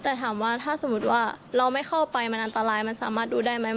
แต่ถามว่าถ้าสมมุติว่าเราไม่เข้าไปมันอันตรายมันสามารถดูได้ไหม